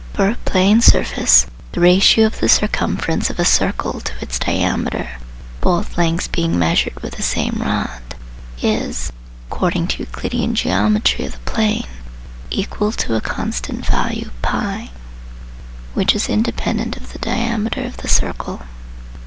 For a plane surface, the ratio of the circumference of a circle to its diameter, both lengths being measured with the same rod, is, according to Euclidean geometry of the plane, equal to a constant value p, which is independent of the diameter of the circle.